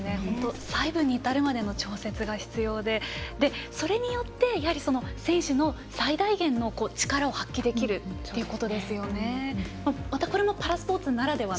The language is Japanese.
細部にいたるまでの調節が必要でそれによって選手の最大限の力を発揮できるということですよね。